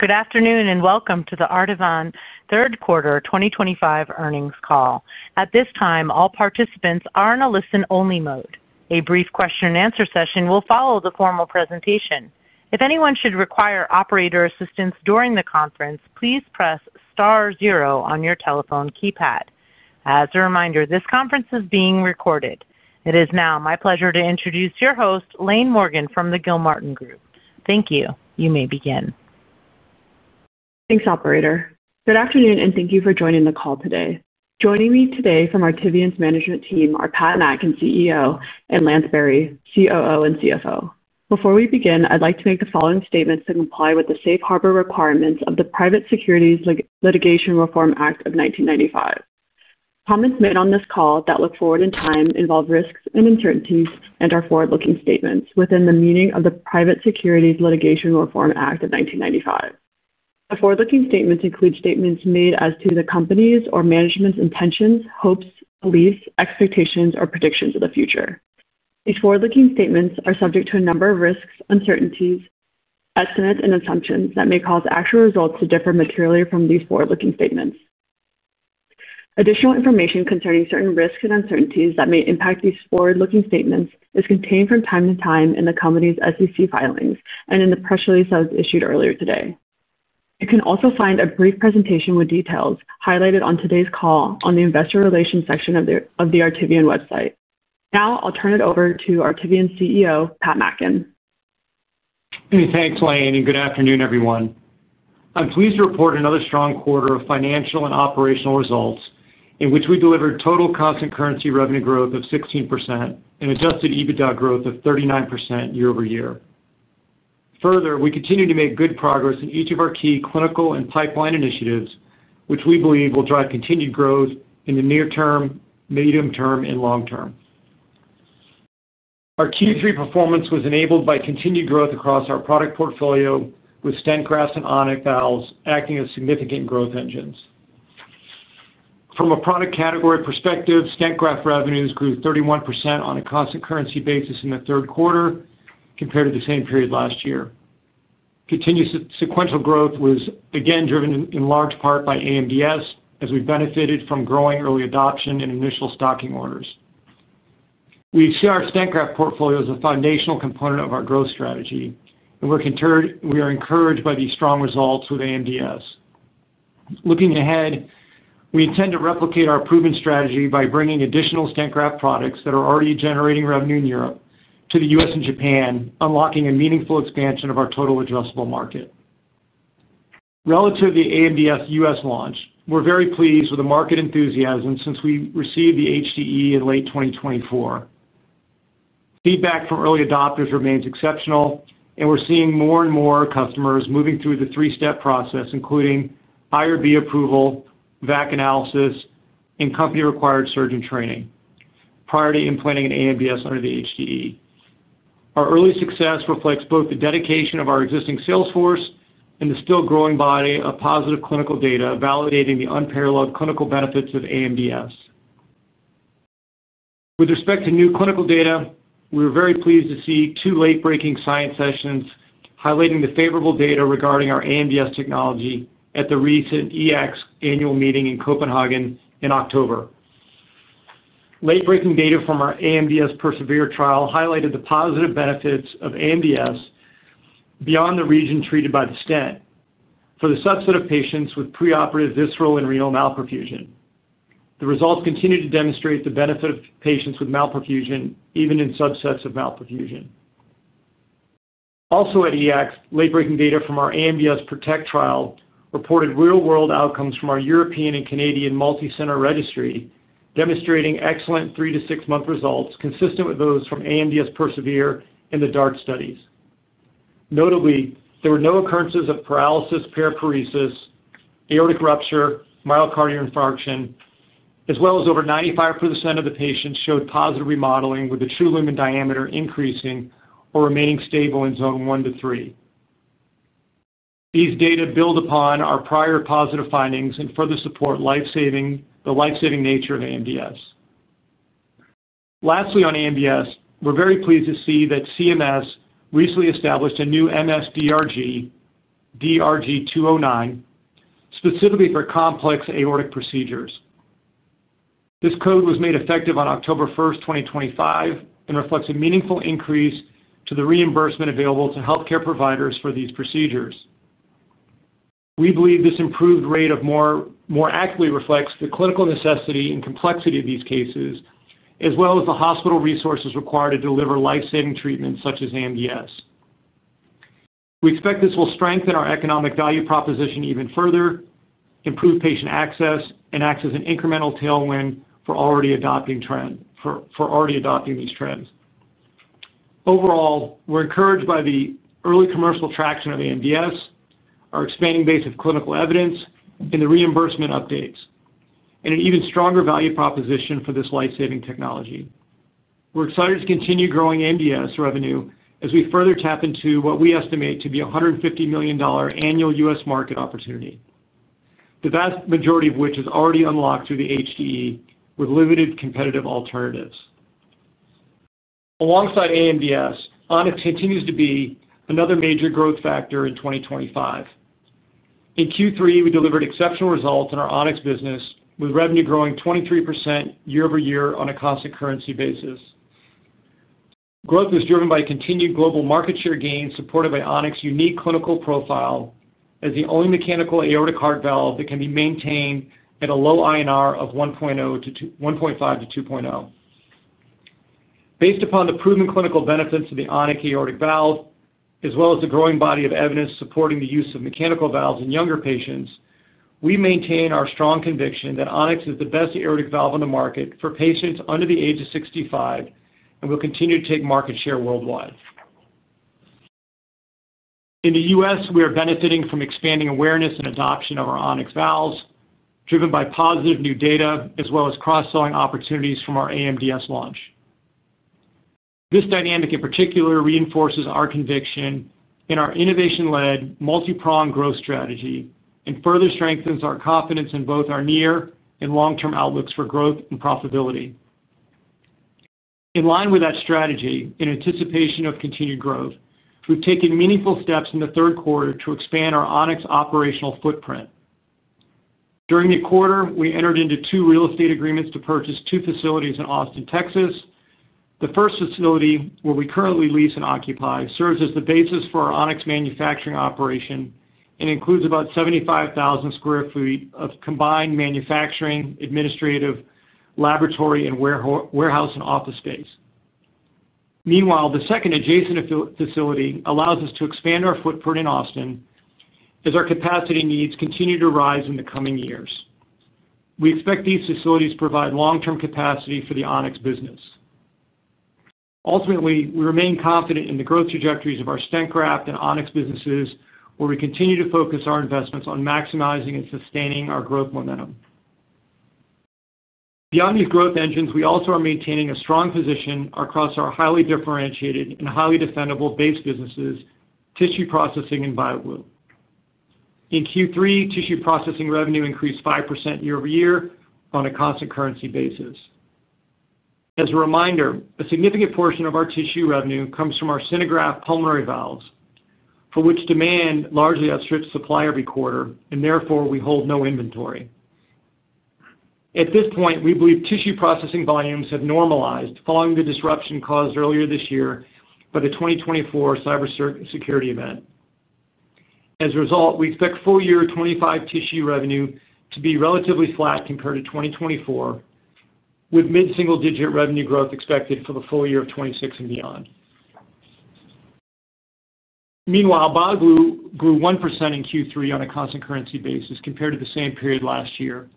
Good afternoon and welcome to the Artivion Q3 2025 earnings call. At this time, all participants are in a listen-only mode. A brief question-and-answer session will follow the formal presentation. If anyone should require operator assistance during the conference, please press star zero on your telephone keypad. As a reminder, this conference is being recorded. It is now my pleasure to introduce your host, Lane Morgan, from the Gilmartin Group. Thank you. You may begin. Thanks, Operator. Good afternoon and thank you for joining the call today. Joining me today from Artivion's management team are Pat Mackin, CEO, and Lance Berry, COO and CFO. Before we begin, I'd like to make the following statements that comply with the safe harbor requirements of the Private Securities Litigation Reform Act of 1995. Comments made on this call that look forward in time involve risks and uncertainties and are forward-looking statements within the meaning of the Private Securities Litigation Reform Act of 1995. The forward-looking statements include statements made as to the company's or management's intentions, hopes, beliefs, expectations, or predictions of the future. These forward-looking statements are subject to a number of risks, uncertainties, estimates, and assumptions that may cause actual results to differ materially from these forward-looking statements. Additional information concerning certain risks and uncertainties that may impact these forward-looking statements is contained from time to time in the company's SEC filings and in the press release that was issued earlier today. You can also find a brief presentation with details highlighted on today's call on the investor relations section of the Artivion website. Now I'll turn it over to Artivion's CEO, Pat Mackin. Thanks, Lane, and good afternoon, everyone. I'm pleased to report another strong quarter of financial and operational results in which we delivered total constant currency revenue growth of 16% and adjusted EBITDA growth of 39% year-over-year. Further, we continue to make good progress in each of our key clinical and pipeline initiatives, which we believe will drive continued growth in the near term, medium term, and long term. Our Q3 performance was enabled by continued growth across our product portfolio, with stent graft and On-X valves acting as significant growth engines. From a product category perspective, stent graft revenues grew 31% on a constant currency basis in the third quarter compared to the same period last year. Continued sequential growth was again driven in large part by AMDS, as we benefited from growing early adoption and initial stocking orders. We see our Stent Graft portfolio as a foundational component of our growth strategy, and we're encouraged by these strong results with AMDS. Looking ahead, we intend to replicate our proven strategy by bringing additional Stent Graft products that are already generating revenue in Europe to the U.S. and Japan, unlocking a meaningful expansion of our total addressable market. Relative to the AMDS U.S. launch, we're very pleased with the market enthusiasm since we received the HDE in late 2024. Feedback from early adopters remains exceptional, and we're seeing more and more customers moving through the three-step process, including IRB approval, VAC analysis, and company-required surgeon training prior to implementing an AMDS under the HDE. Our early success reflects both the dedication of our existing salesforce and the still-growing body of positive clinical data validating the unparalleled clinical benefits of AMDS. With respect to new clinical data, we were very pleased to see two late-breaking science sessions highlighting the favorable data regarding our AMDS technology at the recent EACTS Annual Meeting in Copenhagen in October. Late-breaking data from our AMDS PERSEVERE trial highlighted the positive benefits of AMDS beyond the region treated by the stent for the subset of patients with preoperative visceral and renal malperfusion. The results continue to demonstrate the benefit of patients with malperfusion even in subsets of malperfusion. Also at EACTS, late-breaking data from our AMDS PROTECT trial reported real-world outcomes from our European and Canadian multi-center registry, demonstrating excellent 3 to 6-month results consistent with those from AMDS Persevere and the DART studies. Notably, there were no occurrences of paralysis, paraparesis, aortic rupture, myocardial infarction, as well as over 95% of the patients showed positive remodeling with the true lumen diameter increasing or remaining stable in Zone 1-3. These data build upon our prior positive findings and further support the lifesaving nature of AMDS. Lastly, on AMDS, we're very pleased to see that CMS recently established a new MS-DRG, DRG-209, specifically for complex aortic procedures. This code was made effective on October 1st, 2025, and reflects a meaningful increase to the reimbursement available to healthcare providers for these procedures. We believe this improved rate more accurately reflects the clinical necessity and complexity of these cases, as well as the hospital resources required to deliver lifesaving treatments such as AMDS. We expect this will strengthen our economic value proposition even further, improve patient access, and act as an incremental tailwind for already adopting these trends. Overall, we're encouraged by the early commercial traction of AMDS, our expanding base of clinical evidence, and the reimbursement updates, and an even stronger value proposition for this lifesaving technology. We're excited to continue growing AMDS revenue as we further tap into what we estimate to be a $150 million annual U.S. market opportunity, the vast majority of which is already unlocked through the HDE with limited competitive alternatives. Alongside AMDS, On-X continues to be another major growth factor in 2025. In Q3, we delivered exceptional results in our On-X business, with revenue growing 23% year-over-year on a constant currency basis. Growth is driven by continued global market share gains supported by On-X's unique clinical profile as the only mechanical aortic heart valve that can be maintained at a low INR of 1.5-2.0. Based upon the proven clinical benefits of the On-X aortic valve, as well as the growing body of evidence supporting the use of mechanical valves in younger patients, we maintain our strong conviction that On-X is the best aortic valve on the market for patients under the age of 65 and will continue to take market share worldwide. In the U.S., we are benefiting from expanding awareness and adoption of our On-X valves, driven by positive new data as well as cross-selling opportunities from our AMDS launch. This dynamic, in particular, reinforces our conviction in our innovation-led, multi-pronged growth strategy and further strengthens our confidence in both our near and long-term outlooks for growth and profitability. In line with that strategy, in anticipation of continued growth, we've taken meaningful steps in the third quarter to expand our On-X operational footprint. During the quarter, we entered into two real estate agreements to purchase two facilities in Austin, Texas. The first facility, where we currently lease and occupy, serves as the basis for our On-X manufacturing operation and includes about 75,000 sq ft of combined manufacturing, administrative, laboratory, warehouse, and office space. Meanwhile, the second adjacent facility allows us to expand our footprint in Austin as our capacity needs continue to rise in the coming years. We expect these facilities to provide long-term capacity for the On-X business. Ultimately, we remain confident in the growth trajectories of our stent graft and On-X businesses, where we continue to focus our investments on maximizing and sustaining our growth momentum. Beyond these growth engines, we also are maintaining a strong position across our highly differentiated and highly defendable base businesses, tissue processing and BioGlue. In Q3, tissue processing revenue increased 5% year-over-year on a constant currency basis. As a reminder, a significant portion of our tissue revenue comes from our stent graft pulmonary valves, for which demand largely outstrips supply every quarter, and therefore we hold no inventory. At this point, we believe tissue processing volumes have normalized following the disruption caused earlier this year by the 2024 cybersecurity event. As a result, we expect full-year 2025 tissue revenue to be relatively flat compared to 2024, with mid-single-digit revenue growth expected for the full year of 2026 and beyond. Meanwhile, BioGlue grew 1% in Q3 on a constant currency basis compared to the same period last year.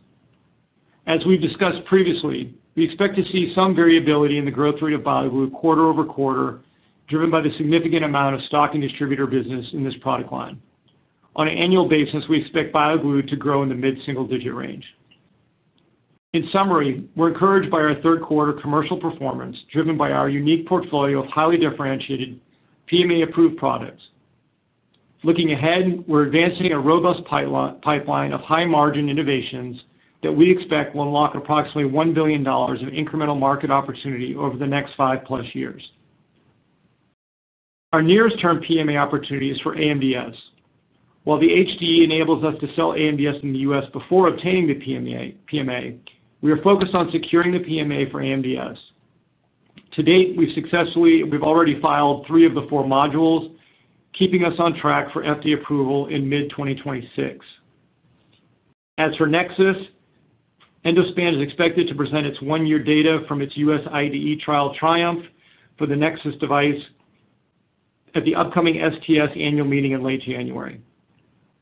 As we've discussed previously, we expect to see some variability in the growth rate of BioGlue quarter-over-quarter, driven by the significant amount of stock and distributor business in this product line. On an annual basis, we expect BioGlue to grow in the mid-single-digit range. In summary, we're encouraged by our third-quarter commercial performance, driven by our unique portfolio of highly differentiated PMA-approved products. Looking ahead, we're advancing a robust pipeline of high-margin innovations that we expect will unlock approximately $1 billion of incremental market opportunity over the next five-plus years. Our nearest-term PMA opportunity is for AMDS. While the HDE enables us to sell AMDS in the U.S. before obtaining the PMA, we are focused on securing the PMA for AMDS. To date, we've already filed three of the four modules, keeping us on track for FDA approval in mid-2026. As for NEXUS. Endospan is expected to present its one-year data from its U.S. IDE trial, TRIOMPHE, for the NEXUS device at the upcoming STS annual meeting in late January.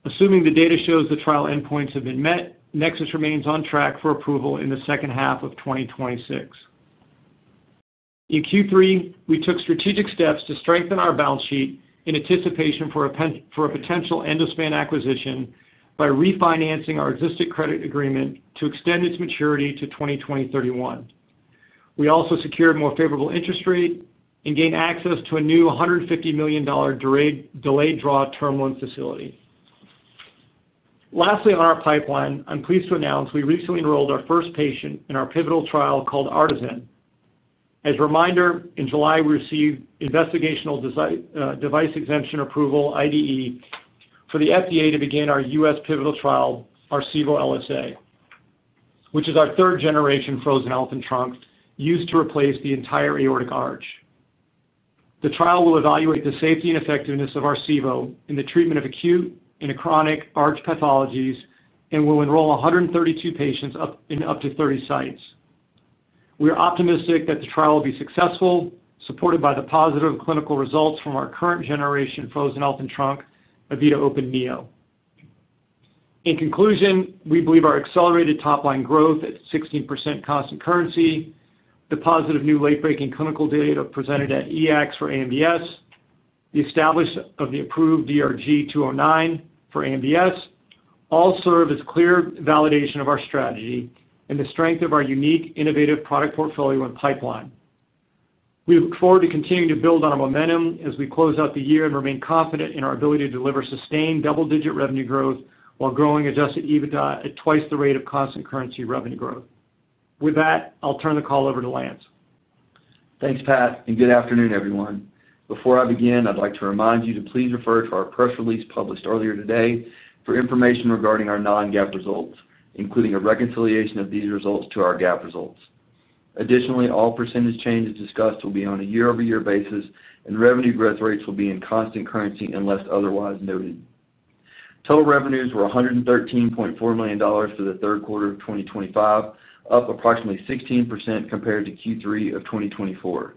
Assuming the data shows the trial endpoints have been met, NEXUS remains on track for approval in the second half of 2026. In Q3, we took strategic steps to strengthen our balance sheet in anticipation for a potential Endospan acquisition by refinancing our existing credit agreement to extend its maturity to 2031. We also secured a more favorable interest rate and gained access to a new $150 million delayed draw term loan facility. Lastly, on our pipeline, I'm pleased to announce we recently enrolled our first patient in our pivotal trial called ARTIZEN. As a reminder, in July, we received investigational device exemption approval, IDE, for the FDA to begin our U.S. pivotal trial, Arcevo LSA. Which is our third-generation frozen elephant trunk used to replace the entire aortic arch. The trial will evaluate the safety and effectiveness of Arcevo in the treatment of acute and chronic arch pathologies and will enroll 132 patients in up to 30 sites. We are optimistic that the trial will be successful, supported by the positive clinical results from our current-generation frozen elephant trunk, E-vita Open Neo. In conclusion, we believe our accelerated top-line growth at 16% constant currency, the positive new late-breaking clinical data presented at EACTS for AMDS, the establishment of the approved DRG-209 for AMDS, all serve as clear validation of our strategy and the strength of our unique innovative product portfolio and pipeline. We look forward to continuing to build on our momentum as we close out the year and remain confident in our ability to deliver sustained double-digit revenue growth while growing adjusted EBITDA at twice the rate of constant currency revenue growth. With that, I'll turn the call over to Lance. Thanks, Pat, and good afternoon, everyone. Before I begin, I'd like to remind you to please refer to our press release published earlier today for information regarding our non-GAAP results, including a reconciliation of these results to our GAAP results. Additionally, all percentage changes discussed will be on a year-over-year basis, and revenue growth rates will be in constant currency unless otherwise noted. Total revenues were $113.4 million for the third quarter of 2025, up approximately 16% compared to Q3 of 2024.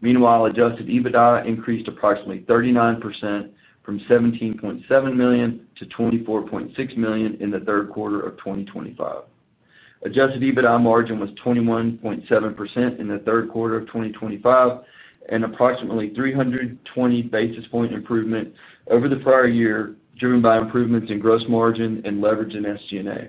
Meanwhile, adjusted EBITDA increased approximately 39% from $17.7 million to $24.6 million in the third quarter of 2025. Adjusted EBITDA margin was 21.7% in the third quarter of 2025, an approximately 320 basis point improvement over the prior year, driven by improvements in gross margin and leverage in SG&A.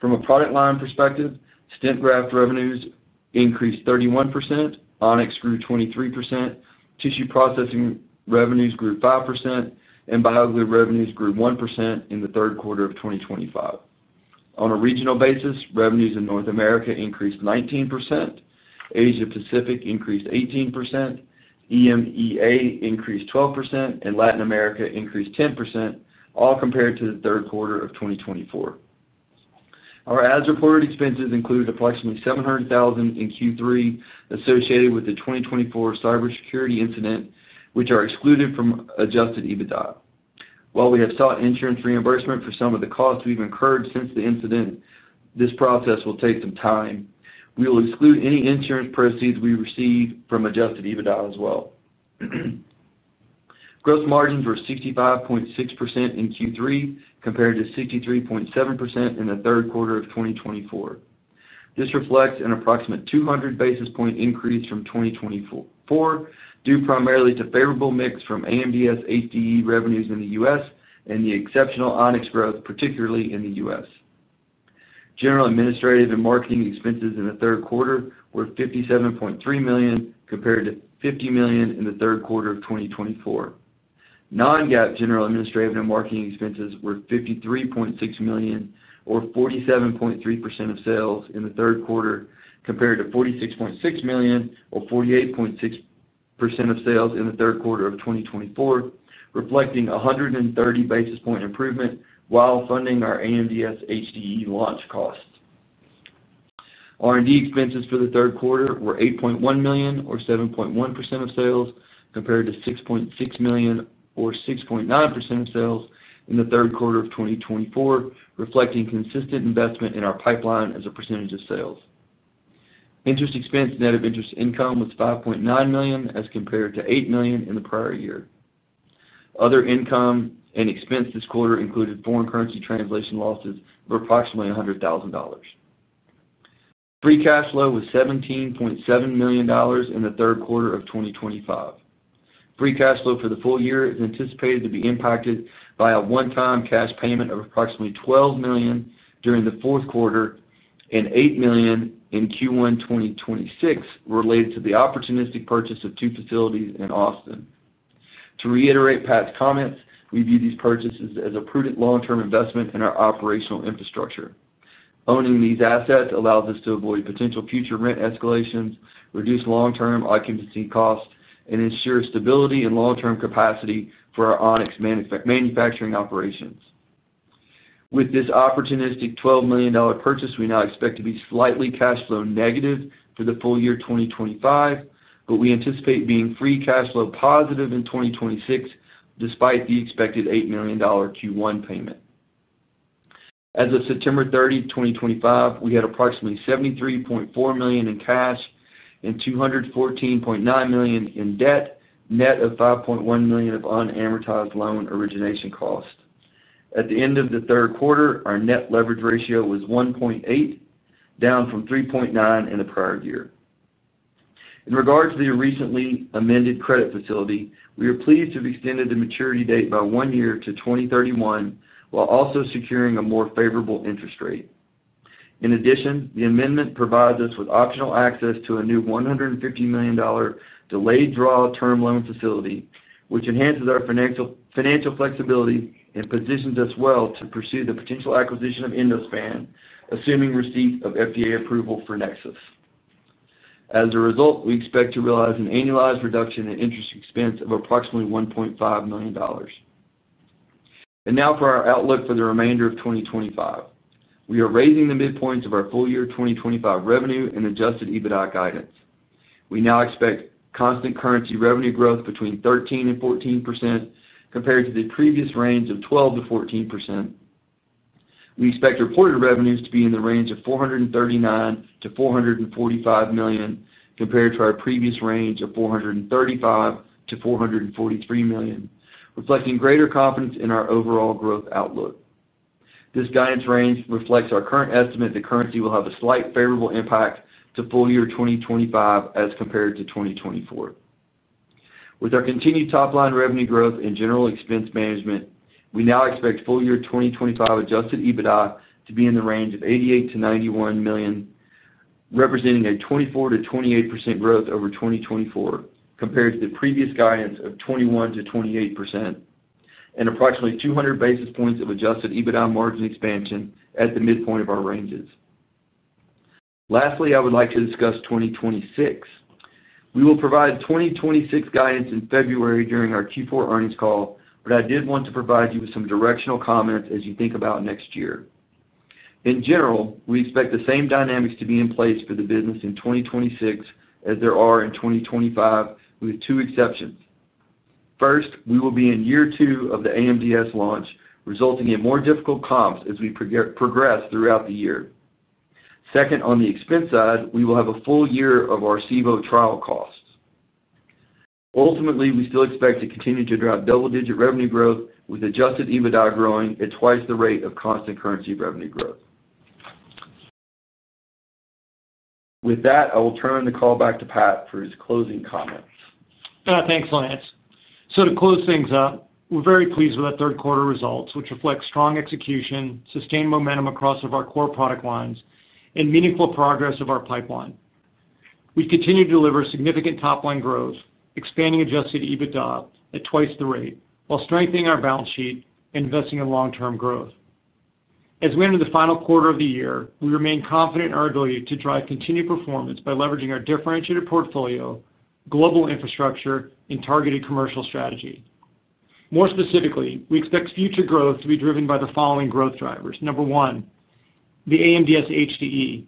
From a product line perspective, stent graft revenues increased 31%, On-X grew 23%, tissue processing revenues grew 5%, and BioGlue revenues grew 1% in the third quarter of 2025. On a regional basis, revenues in North America increased 19%. Asia-Pacific increased 18%. EMEA increased 12%, and Latin America increased 10%, all compared to the third quarter of 2024. Our as-reported expenses included approximately $700,000 in Q3 associated with the 2024 cybersecurity incident, which are excluded from adjusted EBITDA. While we have sought insurance reimbursement for some of the costs we've incurred since the incident, this process will take some time. We will exclude any insurance proceeds we receive from adjusted EBITDA as well. Gross margins were 65.6% in Q3 compared to 63.7% in the third quarter of 2024. This reflects an approximate 200 basis point increase from 2024, due primarily to favorable mix from AMDS HDE revenues in the U.S. and the exceptional On-X growth, particularly in the U.S. General administrative and marketing expenses in the third quarter were $57.3 million compared to $50 million in the third quarter of 2024. Non-GAAP general administrative and marketing expenses were $53.6 million, or 47.3% of sales, in the third quarter compared to $46.6 million, or 48.6% of sales, in the third quarter of 2024, reflecting a 130 basis point improvement while funding our AMDS HDE launch costs. R&D expenses for the third quarter were $8.1 million, or 7.1% of sales, compared to $6.6 million, or 6.9% of sales, in the third quarter of 2024, reflecting consistent investment in our pipeline as a percentage of sales. Interest expense net of interest income was $5.9 million as compared to $8 million in the prior year. Other income and expense this quarter included foreign currency translation losses of approximately $100,000. Free cash flow was $17.7 million in the third quarter of 2025. Free cash flow for the full year is anticipated to be impacted by a one-time cash payment of approximately $12 million during the fourth quarter and $8 million in Q1 2026 related to the opportunistic purchase of two facilities in Austin. To reiterate Pat's comments, we view these purchases as a prudent long-term investment in our operational infrastructure. Owning these assets allows us to avoid potential future rent escalations, reduce long-term occupancy costs, and ensure stability and long-term capacity for our On-X manufacturing operations. With this opportunistic $12 million purchase, we now expect to be slightly cash flow negative for the full year 2025, but we anticipate being free cash flow positive in 2026, despite the expected $8 million Q1 payment. As of September 30, 2025, we had approximately $73.4 million in cash and $214.9 million in debt, net of $5.1 million of unamortized loan origination cost. At the end of the third quarter, our net leverage ratio was 1.8, down from 3.9 in the prior year. In regard to the recently amended credit facility, we are pleased to have extended the maturity date by one year to 2031 while also securing a more favorable interest rate. In addition, the amendment provides us with optional access to a new $150 million delayed draw term loan facility, which enhances our financial flexibility and positions us well to pursue the potential acquisition of Endospan, assuming receipt of FDA approval for NEXUS. As a result, we expect to realize an annualized reduction in interest expense of approximately $1.5 million. Now for our outlook for the remainder of 2025. We are raising the midpoint of our full year 2025 revenue and adjusted EBITDA guidance. We now expect constant currency revenue growth between 13% and 14% compared to the previous range of 12% to 14%. We expect reported revenues to be in the range of $439 million-$445 million compared to our previous range of $435 million-$443 million, reflecting greater confidence in our overall growth outlook. This guidance range reflects our current estimate that currency will have a slight favorable impact to full year 2025 as compared to 2024. With our continued top-line revenue growth and general expense management, we now expect full year 2025 adjusted EBITDA to be in the range of $88 million-$91 million, representing a 24%-28% growth over 2024 compared to the previous guidance of 21%-28%. Approximately 200 basis points of adjusted EBITDA margin expansion at the midpoint of our ranges. Lastly, I would like to discuss 2026. We will provide 2026 guidance in February during our Q4 earnings call, but I did want to provide you with some directional comments as you think about next year. In general, we expect the same dynamics to be in place for the business in 2026 as there are in 2025, with two exceptions. First, we will be in year two of the AMDS launch, resulting in more difficult comps as we progress throughout the year. Second, on the expense side, we will have a full year of Arcevo trial costs. Ultimately, we still expect to continue to drive double-digit revenue growth, with adjusted EBITDA growing at twice the rate of constant currency revenue growth. With that, I will turn the call back to Pat for his closing comments. Thanks, Lance. To close things up, we're very pleased with our third-quarter results, which reflect strong execution, sustained momentum across our core product lines, and meaningful progress of our pipeline. We continue to deliver significant top-line growth, expanding adjusted EBITDA at twice the rate while strengthening our balance sheet and investing in long-term growth. As we enter the final quarter of the year, we remain confident in our ability to drive continued performance by leveraging our differentiated portfolio, global infrastructure, and targeted commercial strategy. More specifically, we expect future growth to be driven by the following growth drivers. Number one, the AMDS HDE.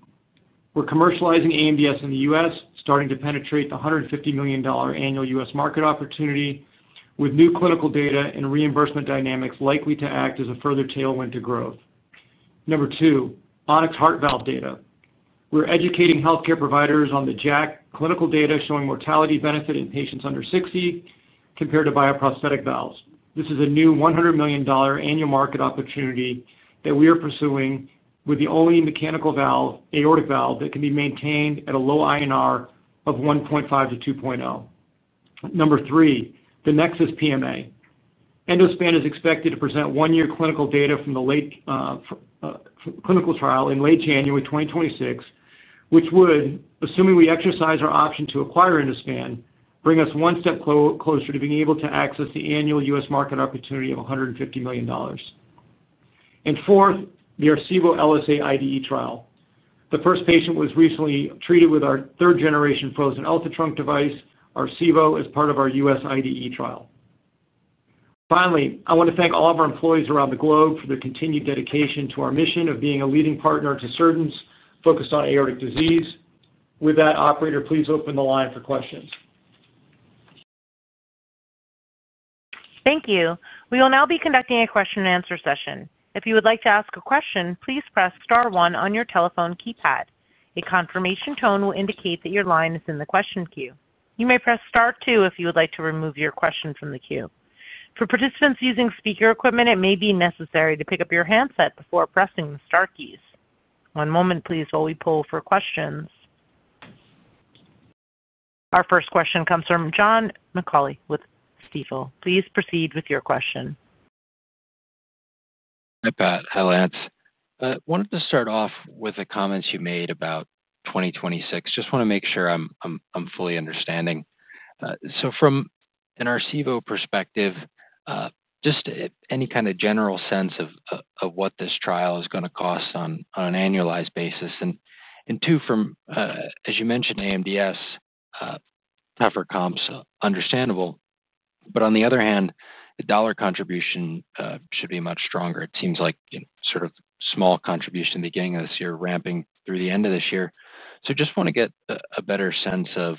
We're commercializing AMDS in the U.S., starting to penetrate the $150 million annual U.S. market opportunity, with new clinical data and reimbursement dynamics likely to act as a further tailwind to growth. Number two, On-X heart valve data. We're educating healthcare providers on the JACC clinical data showing mortality benefit in patients under 60 compared to bioprosthetic valves. This is a new $100 million annual market opportunity that we are pursuing with the only mechanical aortic valve that can be maintained at a low INR of 1.5-2.0. Number three, the NEXUS PMA. Endospan is expected to present one-year clinical data from the late clinical trial in late January 2026, which would, assuming we exercise our option to acquire Endospan, bring us one step closer to being able to access the annual U.S. market opportunity of $150 million. Fourth, the Arcevo LSA IDE trial. The first patient was recently treated with our third-generation frozen elephant trunk device, Arcevo, as part of our U.S. IDE trial. Finally, I want to thank all of our employees around the globe for their continued dedication to our mission of being a leading partner to surgeons focused on aortic disease. With that, Operator, please open the line for questions. Thank you. We will now be conducting a question-and-answer session. If you would like to ask a question, please press star one on your telephone keypad. A confirmation tone will indicate that your line is in the question queue. You may press star two if you would like to remove your question from the queue. For participants using speaker equipment, it may be necessary to pick up your handset before pressing the star keys. One moment, please, while we pull for questions. Our first question comes from John McAulay with Stifel. Please proceed with your question. Hi, Pat. Hi, Lance. I wanted to start off with the comments you made about 2026. Just want to make sure I'm fully understanding. From an Arcevo perspective, just any kind of general sense of what this trial is going to cost on an annualized basis. And two, as you mentioned, AMDS. Tougher comps, understandable. On the other hand, the dollar contribution should be much stronger. It seems like sort of small contribution at the beginning of this year, ramping through the end of this year. Just want to get a better sense of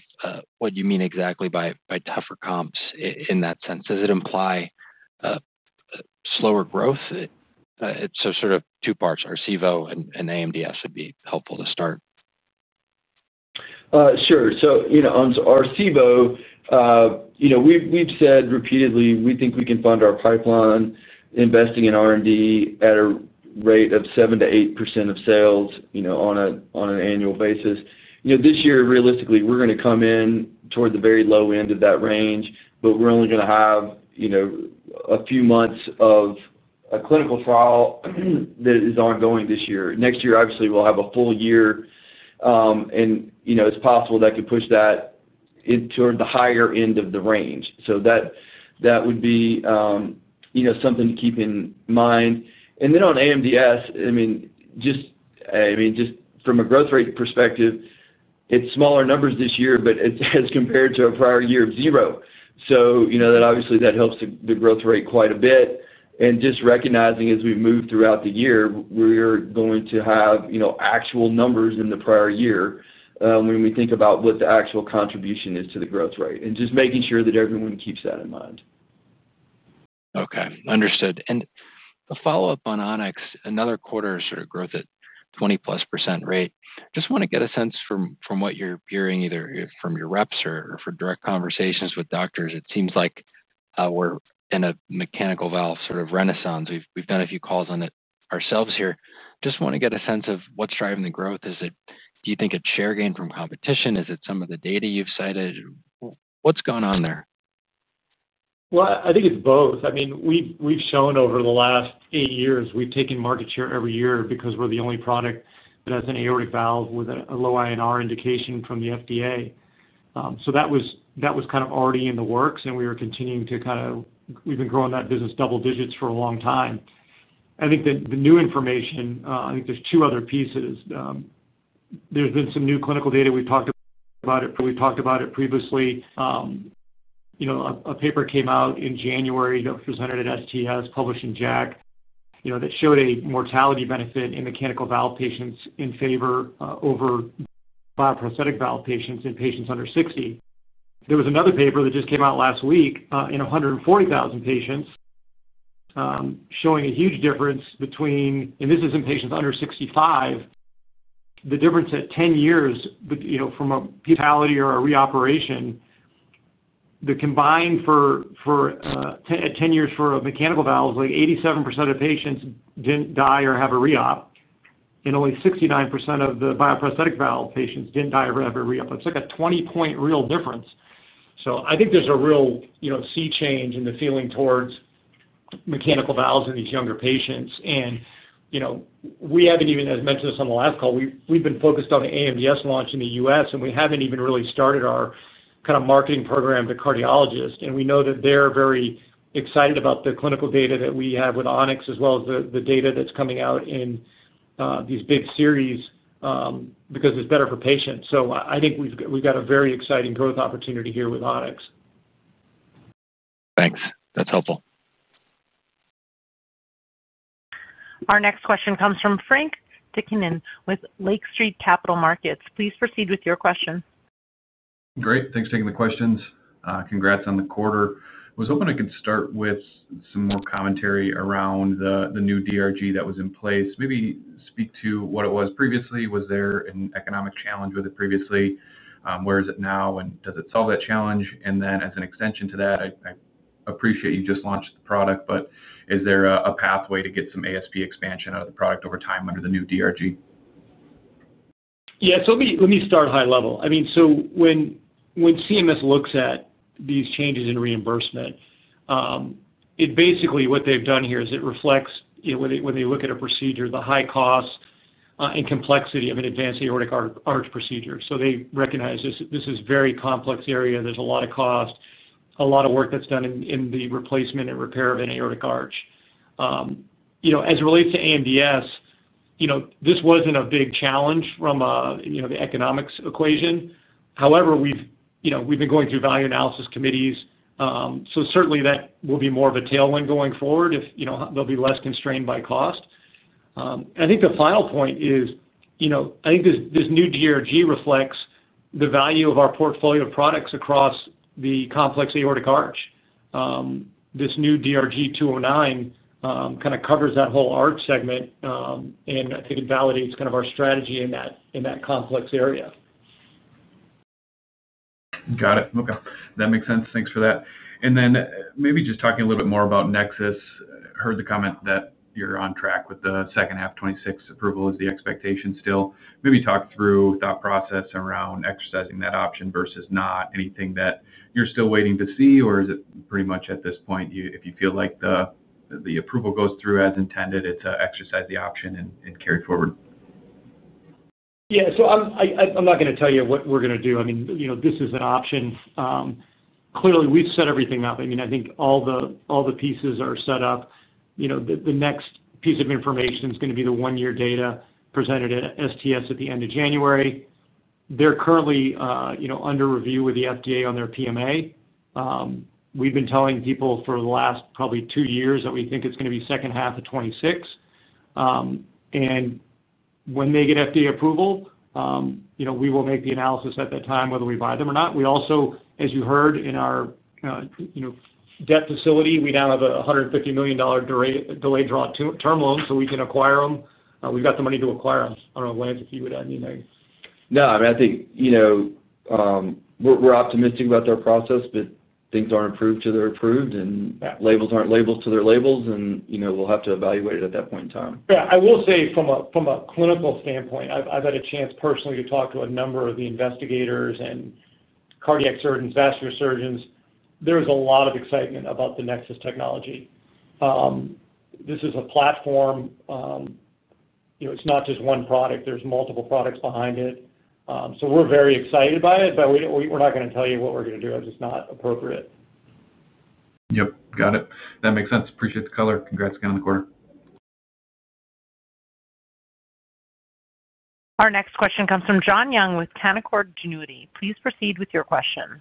what you mean exactly by tougher comps in that sense. Does it imply slower growth? Sort of two parts, Arcevo and AMDS would be helpful to start. Sure. On Arcevo, we've said repeatedly we think we can fund our pipeline investing in R&D at a rate of 7%-8% of sales on an annual basis. This year, realistically, we're going to come in toward the very low end of that range, but we're only going to have a few months of a clinical trial that is ongoing this year. Next year, obviously, we'll have a full year, and it's possible that could push that toward the higher end of the range. That would be. Something to keep in mind. And then on AMDS, I mean, just from a growth rate perspective, it's smaller numbers this year, but it's as compared to a prior year of zero. So that obviously helps the growth rate quite a bit. And just recognizing, as we move throughout the year, we're going to have actual numbers in the prior year when we think about what the actual contribution is to the growth rate. And just making sure that everyone keeps that in mind. Okay. Understood. And a follow-up on On-X, another quarter sort of growth at 20%+ rate. Just want to get a sense from what you're hearing either from your reps or from direct conversations with doctors. It seems like we're in a mechanical valve sort of renaissance. We've done a few calls on it ourselves here. Just want to get a sense of what's driving the growth. Do you think it's share gain from competition? Is it some of the data you've cited? What's going on there? I think it's both. I mean, we've shown over the last eight years we've taken market share every year because we're the only product that has an aortic valve with a low INR indication from the FDA. That was kind of already in the works, and we were continuing to kind of we've been growing that business double digits for a long time. I think the new information, I think there's two other pieces. There's been some new clinical data. We've talked about it. We've talked about it previously. A paper came out in January that was presented at STS, published in JACC, that showed a mortality benefit in mechanical valve patients in favor over. Bioprosthetic valve patients in patients under 60. There was another paper that just came out last week in 140,000 patients. Showing a huge difference between, and this is in patients under 65. The difference at 10 years from a mortality or a reoperation. The combined for. At 10 years for mechanical valves, like 87% of patients didn't die or have a reop, and only 69% of the bioprosthetic valve patients didn't die or have a reop. It's like a 20-point real difference. I think there's a real sea change in the feeling towards. Mechanical valves in these younger patients. We haven't even, as mentioned on the last call, we've been focused on the AMDS launch in the U.S., and we haven't even really started our kind of marketing program to cardiologists. We know that they're very excited about the clinical data that we have with On-X as well as the data that's coming out in these big series. Because it's better for patients. I think we've got a very exciting growth opportunity here with On-X. Thanks. That's helpful. Our next question comes from Frank Takkinen with Lake Street Capital Markets. Please proceed with your question. Great. Thanks for taking the questions. Congrats on the quarter. I was hoping I could start with some more commentary around the new DRG that was in place. Maybe speak to what it was previously. Was there an economic challenge with it previously? Where is it now? And does it solve that challenge? As an extension to that, I appreciate you just launched the product, but is there a pathway to get some ASP expansion out of the product over time under the new DRG? Yeah. Let me start high level. I mean, when CMS looks at these changes in reimbursement, basically, what they've done here is it reflects, when they look at a procedure, the high cost and complexity of an advanced aortic arch procedure. They recognize this is a very complex area. There's a lot of cost, a lot of work that's done in the replacement and repair of an aortic arch. As it relates to AMDS, this wasn't a big challenge from the economics equation. However, we've been going through value analysis committees. Certainly, that will be more of a tailwind going forward if they'll be less constrained by cost. I think the final point is, I think this new DRG reflects the value of our portfolio of products across the complex aortic arch. This new DRG-209 kind of covers that whole arch segment. I think it validates kind of our strategy in that complex area. Got it. Okay. That makes sense. Thanks for that. Maybe just talking a little bit more about NEXUS. I heard the comment that you're on track with the second half 2026 approval. Is the expectation still, maybe talk through thought process around exercising that option versus not? Anything that you're still waiting to see, or is it pretty much at this point, if you feel like the approval goes through as intended, it's exercise the option and carry it forward? Yeah. I'm not going to tell you what we're going to do. I mean, this is an option. Clearly, we've set everything up. I mean, I think all the pieces are set up. The next piece of information is going to be the one-year data presented at STS at the end of January. They're currently under review with the FDA on their PMA. We've been telling people for the last probably two years that we think it's going to be second half of 2026. When they get FDA approval, we will make the analysis at that time, whether we buy them or not. We also, as you heard in our debt facility, we now have a $150 million delayed term loan, so we can acquire them. We've got the money to acquire them. I don't know, Lance, if you would add anything. No, I mean, I think. We're optimistic about their process, but things aren't approved till they're approved, and labels aren't labels till they're labels, and we'll have to evaluate it at that point in time. Yeah. I will say, from a clinical standpoint, I've had a chance personally to talk to a number of the investigators and cardiac surgeons, vascular surgeons. There is a lot of excitement about the NEXUS technology. This is a platform. It's not just one product. There's multiple products behind it. So we're very excited by it, but we're not going to tell you what we're going to do. It's just not appropriate. Yep. Got it. That makes sense. Appreciate the color. Congrats again on the quarter. Our next question comes from Jon Young with Canaccord Genuity. Please proceed with your question.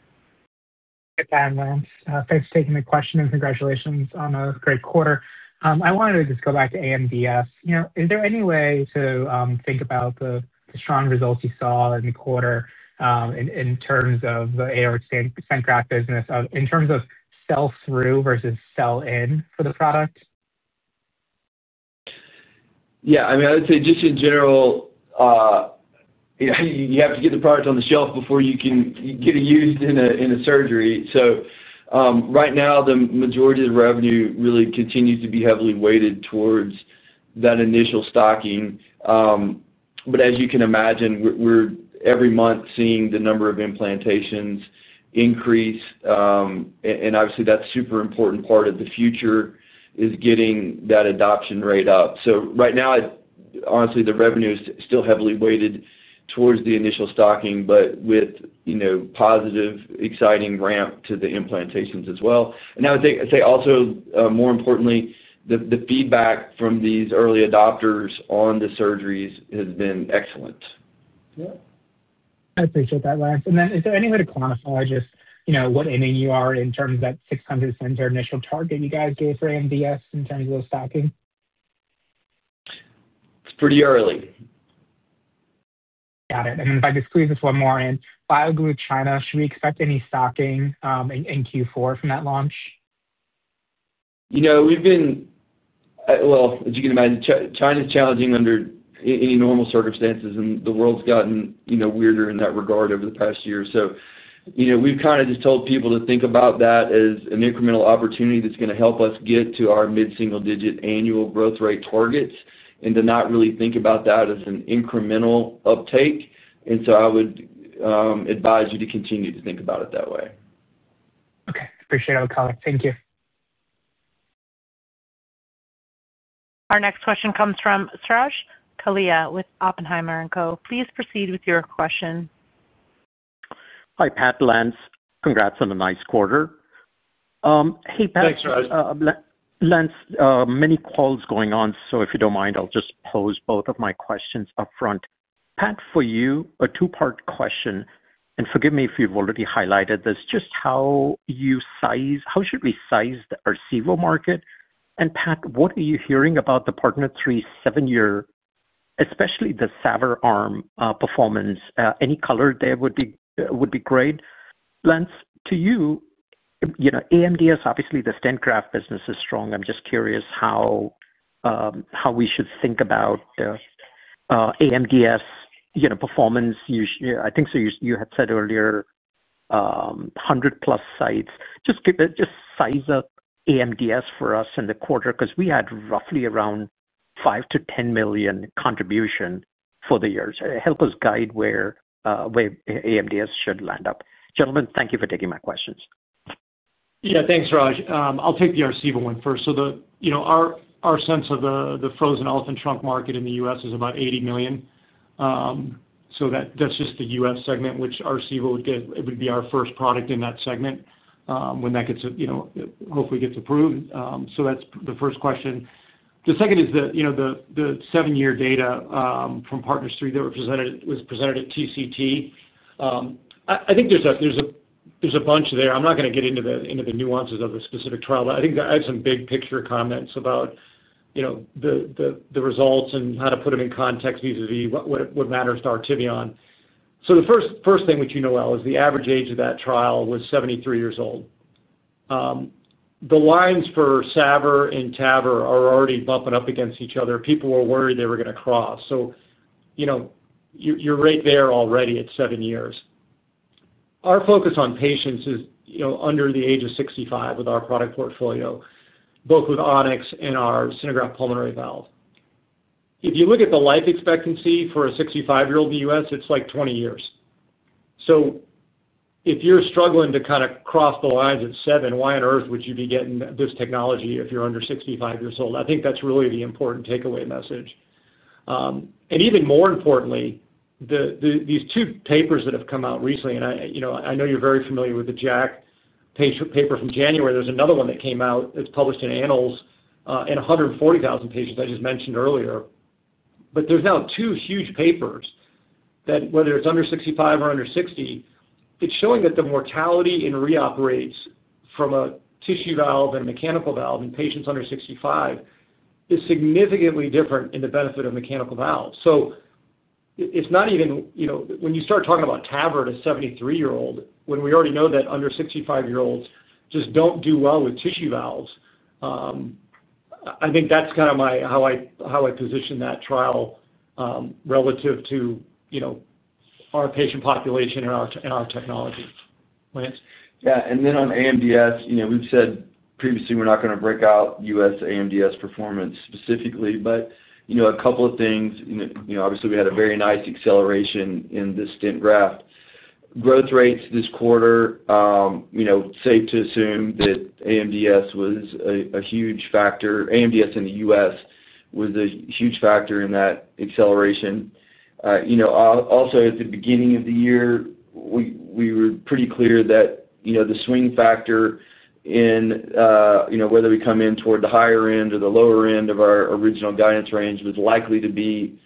Good time, Lance. Thanks for taking my question, and congratulations on a great quarter. I wanted to just go back to AMDS. Is there any way to think about the strong results you saw in the quarter? In terms of the aortic stent graft business, in terms of sell-through versus sell-in for the product? Yeah. I mean, I would say just in general, you have to get the product on the shelf before you can get it used in a surgery. Right now, the majority of the revenue really continues to be heavily weighted towards that initial stocking. As you can imagine, we're every month seeing the number of implantations increase. Obviously, that's a super important part of the future, is getting that adoption rate up. Right now, honestly, the revenue is still heavily weighted towards the initial stocking, with positive, exciting ramp to the implantations as well. I would say also, more importantly, the feedback from these early adopters on the surgeries has been excellent. I appreciate that, Lance. Is there any way to quantify just what ending you are in terms of that 600 or initial target you guys gave for AMDS in terms of the stocking? It's pretty early. Got it. If I could squeeze this one more in, BioGlue China, should we expect any stocking in Q4 from that launch? As you can imagine, China is challenging under any normal circumstances, and the world's gotten weirder in that regard over the past year. We have kind of just told people to think about that as an incremental opportunity that's going to help us get to our mid-single-digit annual growth rate targets and to not really think about that as an incremental uptake. I would. Advise you to continue to think about it that way. Okay. Appreciate it on the color. Thank you. Our next question comes from Suraj Kalia with Oppenheimer & Co. Please proceed with your question. Hi, Pat, Lance. Congrats on a nice quarter. Hey, Pat. Thanks, Sraj. Lance, many calls going on, so if you do not mind, I'll just pose both of my questions upfront. Pat, for you, a two-part question, and forgive me if you've already highlighted this, just how should we size the Arcevo market? And Pat, what are you hearing about the PARTNER 3 7-year, especially the SAVR arm performance? Any color there would be great. Lance, to you. AMDS, obviously, the stent graft business is strong. I'm just curious how we should think about AMDS performance. I think you had said earlier 100+ sites. Just size up AMDS for us in the quarter because we had roughly. Around $5 million-$10 million contribution for the years. Help us guide where AMDS should land up. Gentlemen, thank you for taking my questions. Yeah. Thanks, Suraj. I'll take the Arcevo one first. Our sense of the frozen elephant trunk market in the U.S. is about $80 million. That's just the U.S. segment, which Arcevo would be our first product in that segment when that hopefully gets approved. That's the first question. The second is the 7-year data from PARTNER 3 that was presented at TCT. I think there's a bunch there. I'm not going to get into the nuances of the specific trial, but I think I have some big picture comments about the results and how to put them in context vis-à-vis what matters to Artivion. The first thing, which you know well, is the average age of that trial was 73 years old. The lines for SAVR and TAVR are already bumping up against each other. People were worried they were going to cross. You're right there already at 7 years. Our focus on patients is under the age of 65 with our product portfolio, both with On-X and our stent graft pulmonary valve. If you look at the life expectancy for a 65-year-old in the U.S., it's like 20 years. If you're struggling to kind of cross the lines at seven, why on earth would you be getting this technology if you're under 65 years old? I think that's really the important takeaway message. Even more importantly, these two papers that have come out recently, and I know you're very familiar with the JACC paper from January, there's another one that came out that's published in Annals in 140,000 patients I just mentioned earlier. There's now two huge papers that, whether it's under 65 or under 60, it's showing that the mortality in reoperates from a tissue valve and mechanical valve in patients under 65 is significantly different in the benefit of mechanical valves. It's not even when you start talking about TAVR at a 73-year-old, when we already know that under 65-year-olds just don't do well with tissue valves. I think that's kind of how I position that trial relative to our patient population and our technology. Lance? Yeah. On AMDS, we've said previously we're not going to break out U.S. AMDS performance specifically, but a couple of things. Obviously, we had a very nice acceleration in the stent graft growth rates this quarter. Safe to assume that AMDS was a huge factor. AMDS in the U.S. was a huge factor in that acceleration. Also, at the beginning of the year, we were pretty clear that the swing factor in whether we come in toward the higher end or the lower end of our original guidance range was likely to be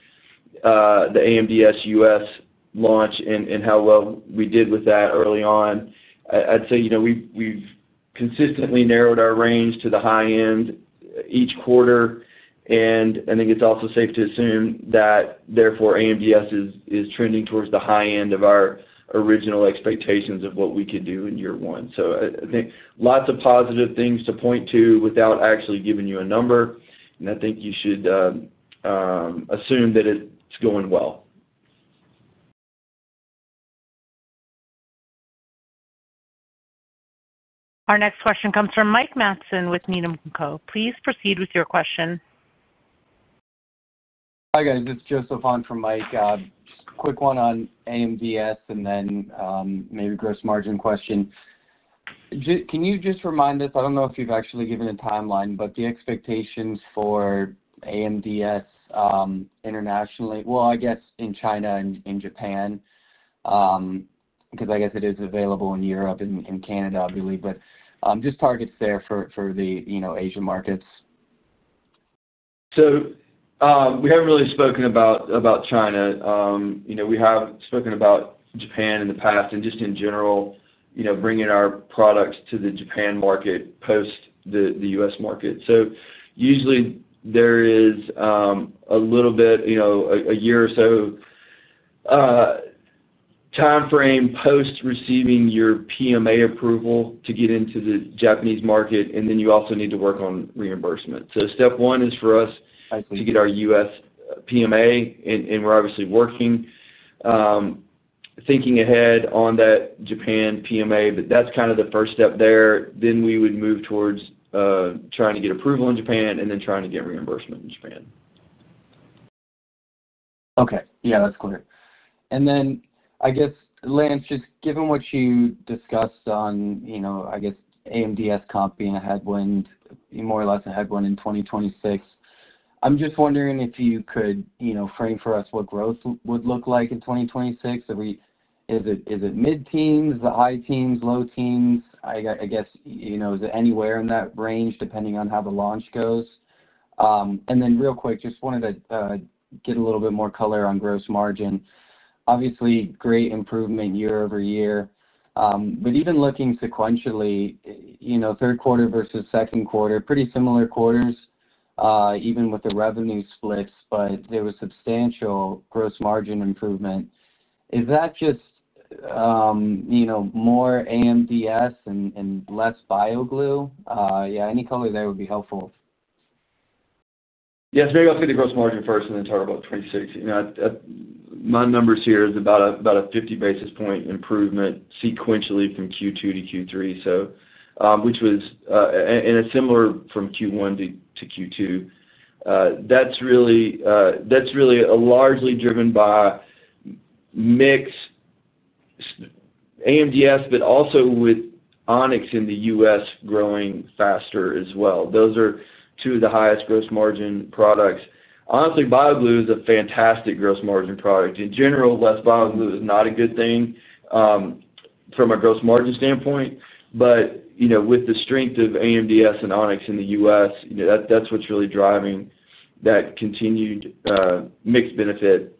the AMDS U.S. launch and how well we did with that early on. I'd say we've consistently narrowed our range to the high end each quarter. I think it's also safe to assume that, therefore, AMDS is trending towards the high end of our original expectations of what we could do in year one. I think lots of positive things to point to without actually giving you a number. I think you should assume that it's going well. Our next question comes from Mike Matson with Needham & Co. Please proceed with your question. Hi, guys. It's Joseph on for Mike. Just a quick one on AMDS and then maybe gross margin question. Can you just remind us? I don't know if you've actually given a timeline, but the expectations for AMDS internationally, I guess in China and in Japan. I guess it is available in Europe and Canada, I believe. Just targets there for the Asian markets. We haven't really spoken about China. We have spoken about Japan in the past and just in general, bringing our products to the Japan market post the U.S. market. Usually, there is a little bit, a year or so, timeframe post receiving your PMA approval to get into the Japanese market, and then you also need to work on reimbursement. Step one is for us to get our U.S. PMA, and we're obviously working. Thinking ahead on that Japan PMA, but that's kind of the first step there. We would move towards trying to get approval in Japan and then trying to get reimbursement in Japan. Okay. Yeah, that's clear. I guess, Lance, just given what you discussed on, I guess, AMDS comp being a headwind, more or less a headwind in 2026, I'm just wondering if you could frame for us what growth would look like in 2026. Is it mid-teens, high teens, low teens? I guess, is it anywhere in that range depending on how the launch goes? Real quick, just wanted to get a little bit more color on gross margin. Obviously, great improvement year-over-year. Even looking sequentially, third quarter versus second quarter, pretty similar quarters, even with the revenue splits, but there was substantial gross margin improvement. Is that just. More AMDS and less BioGlue? Yeah, any color there would be helpful. Yeah. It's very likely the gross margin first and then talk about 2016. My numbers here is about a 50 basis point improvement sequentially from Q2 to Q3, which was in a similar from Q1 to Q2. That's really largely driven by mixed AMDS, but also with On-X in the U.S. growing faster as well. Those are two of the highest gross margin products. Honestly, BioGlue is a fantastic gross margin product. In general, less BioGlue is not a good thing from a gross margin standpoint. With the strength of AMDS and On-X in the U.S., that's what's really driving that continued mixed benefit,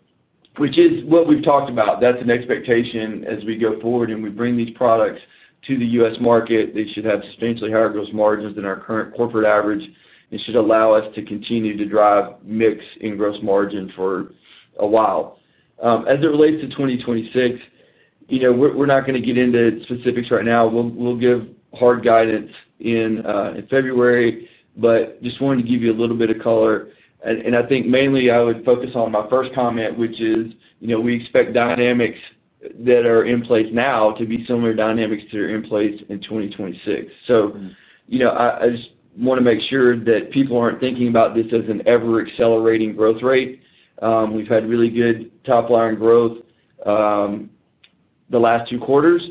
which is what we've talked about. That's an expectation as we go forward and we bring these products to the U.S. market. They should have substantially higher gross margins than our current corporate average. It should allow us to continue to drive mix and gross margin for a while. As it relates to 2026, we're not going to get into specifics right now. We'll give hard guidance in February, but just wanted to give you a little bit of color. I think mainly I would focus on my first comment, which is we expect dynamics that are in place now to be similar dynamics that are in place in 2026. I just want to make sure that people aren't thinking about this as an ever-accelerating growth rate. We've had really good top-line growth the last two quarters.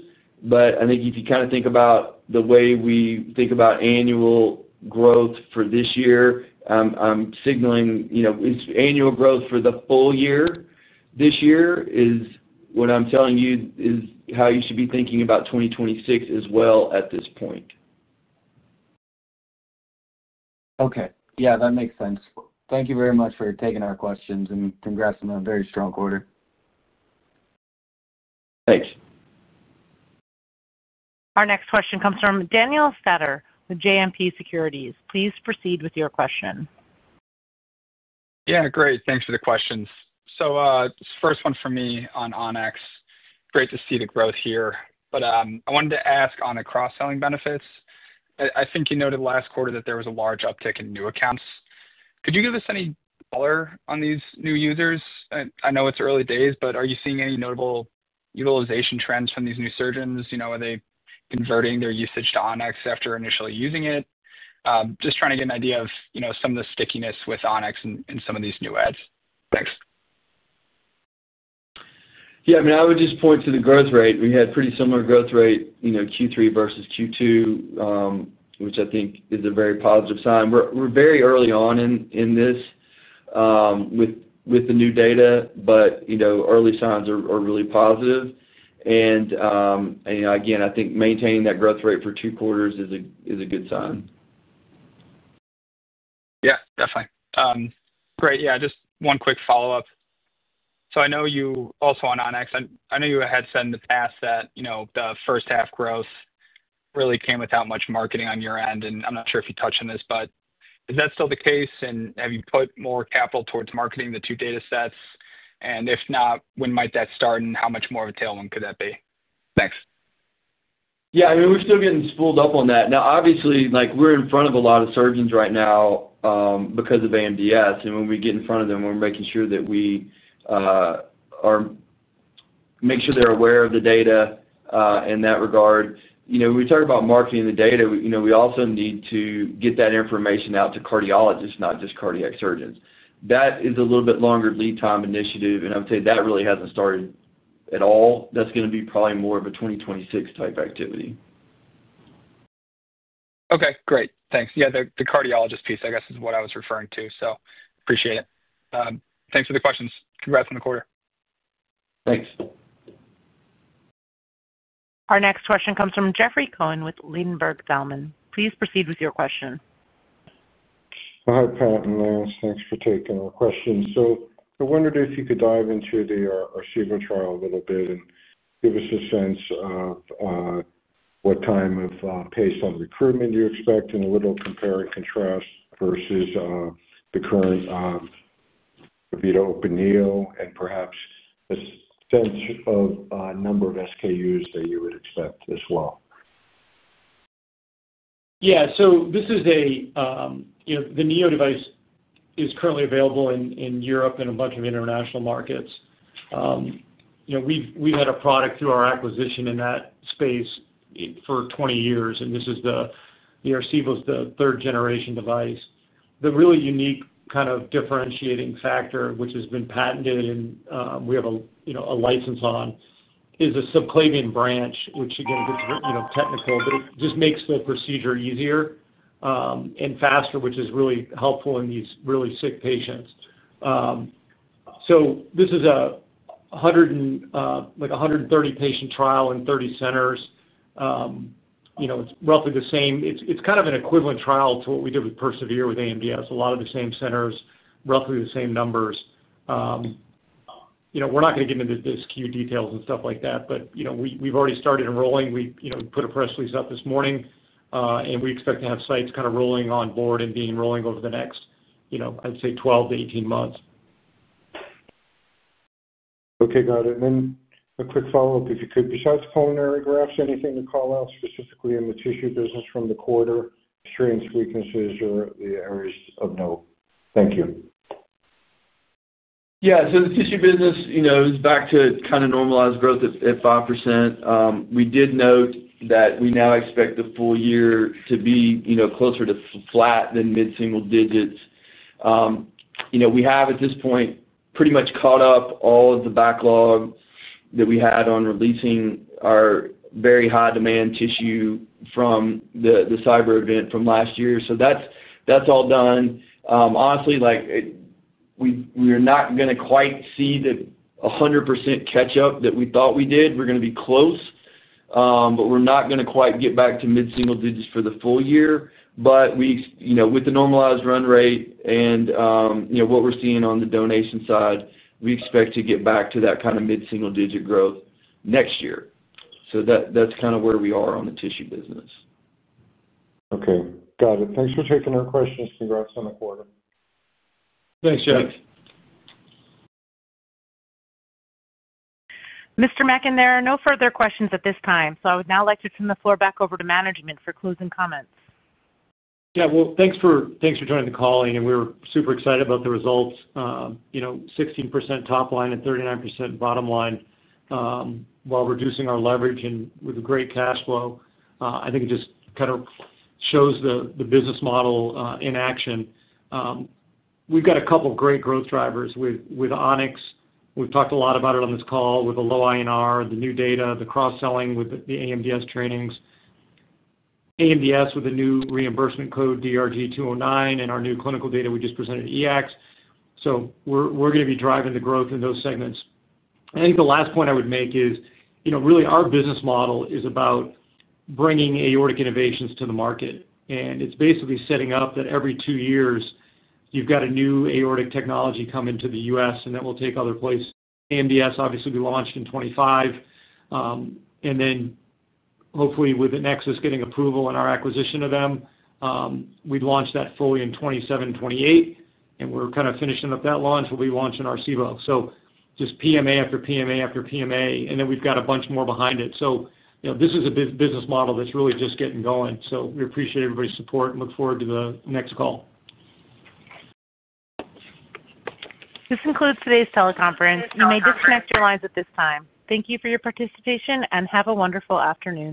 I think if you kind of think about the way we think about annual growth for this year, I'm signaling annual growth for the full year this year is what I'm telling you is how you should be thinking about 2026 as well at this point. Okay. Yeah, that makes sense. Thank you very much for taking our questions and congrats on a very strong quarter. Thanks. Our next question comes from Daniel Stauder with JMP Securities. Please proceed with your question. Yeah, great. Thanks for the questions. This is the first one for me on On-X. Great to see the growth here. I wanted to ask on the cross-selling benefits. I think you noted last quarter that there was a large uptick in new accounts. Could you give us any color on these new users? I know it's early days, but are you seeing any notable utilization trends from these new surgeons? Are they converting their usage to On-X after initially using it? Just trying to get an idea of some of the stickiness with On-X and some of these new ads. Thanks. Yeah. I mean, I would just point to the growth rate. We had pretty similar growth rate, Q3 versus Q2. Which I think is a very positive sign. We're very early on in this. With the new data, but early signs are really positive. I think maintaining that growth rate for two quarters is a good sign. Yeah. Definitely. Great. Yeah. Just one quick follow-up. I know you also on On-X, I know you had said in the past that the first-half growth really came without much marketing on your end. I'm not sure if you touched on this, but is that still the case? Have you put more capital towards marketing the two data sets? If not, when might that start and how much more of a tailwind could that be? Thanks. Yeah. I mean, we're still getting spooled up on that. Now, obviously, we're in front of a lot of surgeons right now because of AMDS. When we get in front of them, we make sure they're aware of the data in that regard. When we talk about marketing the data, we also need to get that information out to cardiologists, not just cardiac surgeons. That is a little bit longer lead time initiative. I would say that really hasn't started at all. That's going to be probably more of a 2026 type activity. Okay. Great. Thanks. Yeah. The cardiologist piece, I guess, is what I was referring to. So appreciate it. Thanks for the questions. Congrats on the quarter. Thanks. Our next question comes from Jeffrey Cohen with Ladenburg Thalmann. Please proceed with your question. Hi, Pat and Lance. Thanks for taking our questions. So I wondered if you could dive into the Arcevo trial a little bit and give us a sense of what type of pace on recruitment you expect and a little compare and contrast versus the current E-vita Open Neo and perhaps a sense of number of SKUs that you would expect as well. Yeah. So this is a, the Neo device is currently available in Europe and a bunch of international markets. We've had a product through our acquisition in that space for 20 years. And this is the Arcevo's third-generation device. The really unique kind of differentiating factor, which has been patented and we have a license on, is a subclavian branch, which, again, gets technical, but it just makes the procedure easier and faster, which is really helpful in these really sick patients. This is a 130-patient trial in 30 centers. It's roughly the same. It's kind of an equivalent trial to what we did with PERSEVERE with AMDS. A lot of the same centers, roughly the same numbers. We're not going to get into the SKU details and stuff like that, but we've already started enrolling. We put a press release out this morning, and we expect to have sites kind of rolling on board and being rolling over the next, I'd say, 12-18 months. Okay. Got it. Then a quick follow-up, if you could, besides pulmonary grafts, anything to call out specifically in the tissue business from the quarter? Strengths, weaknesses, or the areas of note? Thank you. Yeah. The tissue business is back to kind of normalized growth at 5%. We did note that we now expect the full year to be closer to flat than mid-single digits. We have, at this point, pretty much caught up all of the backlog that we had on releasing our very high-demand tissue from the cyber event from last year. That is all done. Honestly, we are not going to quite see the 100% catch-up that we thought we did. We are going to be close, but we are not going to quite get back to mid-single digits for the full year. But with the normalized run rate and what we're seeing on the donation side, we expect to get back to that kind of mid-single digit growth next year. So that's kind of where we are on the tissue business. Okay. Got it. Thanks for taking our questions. Congrats on the quarter. Thanks, Jeff. Thanks. Mr. Mackin, there are no further questions at this time. I would now like to turn the floor back over to management for closing comments. Yeah. Thanks for joining the call. We're super excited about the results, 16% top line and 39% bottom line. While reducing our leverage and with a great cash flow. I think it just kind of shows the business model in action. We've got a couple of great growth drivers with On-X. We've talked a lot about it on this call with the low INR, the new data, the cross-selling with the AMDS trainings. AMDS with a new reimbursement code, DRG-209, and our new clinical data we just presented to EACTS. We're going to be driving the growth in those segments. I think the last point I would make is really our business model is about bringing aortic innovations to the market. It's basically setting up that every two years, you've got a new aortic technology come into the U.S., and that will take other places. AMDS, obviously, we launched in 2025. Hopefully, with NEXUS getting approval and our acquisition of them, we launched that fully in 2027-2028. We're kind of finishing up that launch. We'll be launching Arcevo. Just PMA after PMA after PMA. We've got a bunch more behind it. This is a business model that's really just getting going. We appreciate everybody's support and look forward to the next call. This concludes today's teleconference. You may disconnect your lines at this time. Thank you for your participation and have a wonderful afternoon.